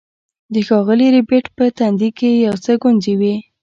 د ښاغلي ربیټ په تندي کې یو څه ګونځې وې